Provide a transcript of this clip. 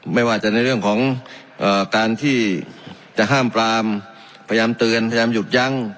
ไม่ว่าจะในเรื่องของการที่จะห้ามปรามพยายามเตือนพยายามหยุดยั้ง